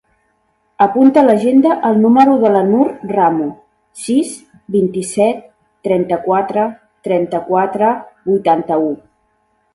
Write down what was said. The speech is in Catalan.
Apunta a l'agenda el número de la Nur Ramo: sis, vint-i-set, trenta-quatre, trenta-quatre, vuitanta-u.